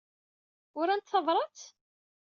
Uran tabṛat?